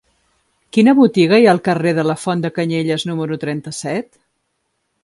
Quina botiga hi ha al carrer de la Font de Canyelles número trenta-set?